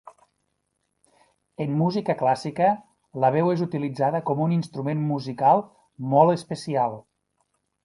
En música clàssica, la veu és utilitzada com un instrument musical molt especial.